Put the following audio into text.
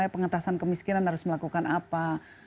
pengetasan kemiskinan harus melakukan apa